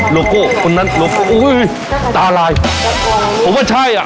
โลโก้คนนั้นโลโก้อุ้ยตาลายผมว่าใช่อ่ะ